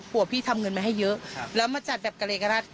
พี่ทำเงินมาให้เยอะแล้วมาจัดแบบกระเลกระดาษ